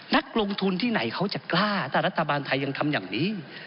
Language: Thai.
นักลงทุนที่ไหนเขาจะกล้าถ้ารัฐบาลไทยยังทำอย่างนี้